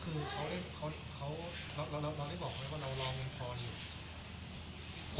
คือเขาเราได้บอกไหมว่าเรารอเงินทอนอยู่